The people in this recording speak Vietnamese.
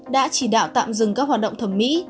đã chỉ đạo tạm dừng các hoạt động thẩm mỹ